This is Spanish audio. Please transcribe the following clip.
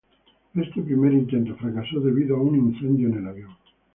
Este primer intento fracasó debido a incendio en el avión.